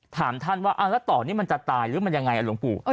ถามท่านว่าแล้วต่อนี่มันจะตายหรือมันยังไงหลวงปู่